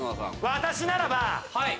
私ならば。